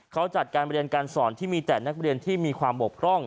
เขาจัดการเรียนการสอนที่มีแต่นักเรียนที่มีความบกพร่อง